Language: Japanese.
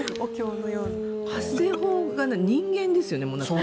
発声法が人間ですよね。